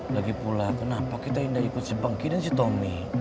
lagipula kenapa kita tidak ikut si bangki dan si tommy